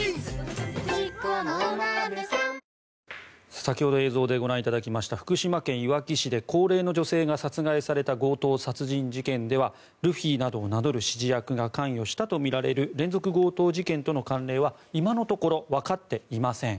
先ほど映像でご覧いただきました福島県いわき市で高齢の女性が殺害された強盗殺人事件ではルフィなどを名乗る指示役が関与したとみられる連続強盗事件との関連は今のところわかっていません。